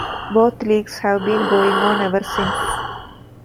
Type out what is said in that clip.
Both leagues have been going on ever since.